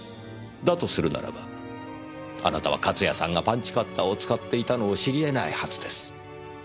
だとするならばあなたは勝谷さんがパンチカッターを使っていたのを知りえないはずです。